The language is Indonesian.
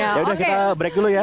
ya udah kita break dulu ya